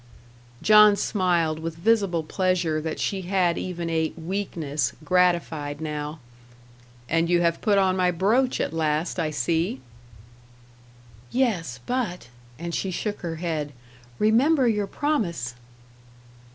John smiled, with visible pleasure that she had even a "weakness" gratified now. "And you have put on my brooch at last, I see." "Yes; but " and she shook her head "remember your promise!"